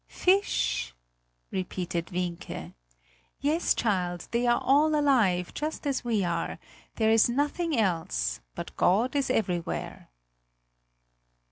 "Fish!" repeated Wienke. "Yes, child, they are all alive, just as we are; there is nothing else; but God is everywhere!"